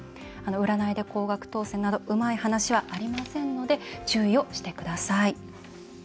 占いで高額当せんなどうまい話はありませんので注意をしてください。